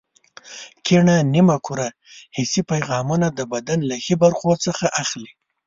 کیڼه نیمه کره حسي پیغامونه د بدن له ښي برخو څخه اخلي.